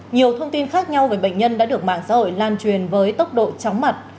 nhiều thông tin khác nhau về bệnh nhân đã được mạng xã hội lan truyền với tốc độ chóng mặt